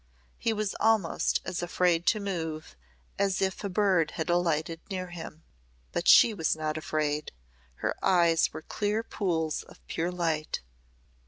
He was almost as afraid to move as if a bird had alighted near him. But she was not afraid. Her eyes were clear pools of pure light.